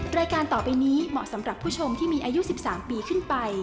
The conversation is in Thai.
รายการต่อไปนี้เหมาะสำหรับผู้ชมที่มีอายุ๑๓ปีขึ้นไป